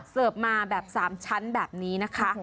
เสิร์ฟมาแบบ๓ชั้นแบบนี้นะคะ